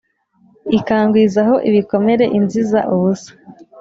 ikangwizaho ibikomere inziza ubusa